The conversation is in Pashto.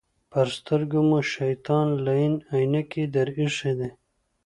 پر سترګو مو شیطان لعین عینکې در اېښي دي.